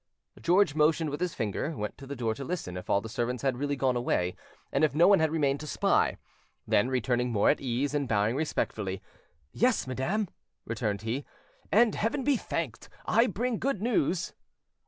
George motioned with his finger, went to the door to listen if all the servants had really gone away, and if no one had remained to spy. Then, returning more at ease, and bowing respectfully— "Yes, madam," returned he; "and, Heaven be thanked, I bring good news."